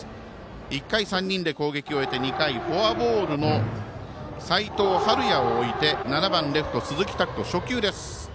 １回、３人で攻撃を終えて２回、フォアボールの齋藤敏哉を置いて７番、レフトの鈴木拓斗。